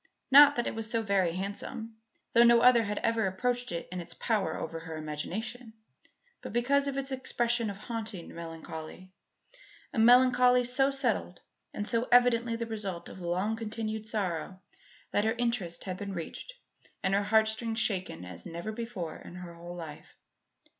Not that it was so very handsome though no other had ever approached it in its power over her imagination but because of its expression of haunting melancholy, a melancholy so settled and so evidently the result of long continued sorrow that her interest had been reached and her heartstrings shaken as never before in her whole life.